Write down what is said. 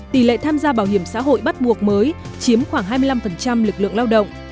tỷ lệ tham gia bảo hiểm xã hội bắt buộc mới chiếm khoảng hai mươi năm lực lượng lao động